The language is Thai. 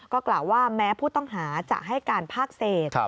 ก็กล่าวว่าแม้ผู้ต้องหาจะให้การภาคเศษ